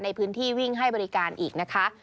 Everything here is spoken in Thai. ในพื้นที่วิ่งให้บริการอีกนะคะ